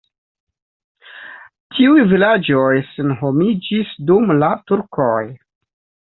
Tiuj vilaĝoj senhomiĝis dum la turkoj.